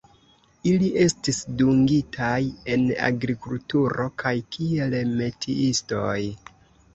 Ili estis dungitaj en agrikulturo kaj kiel metiistoj.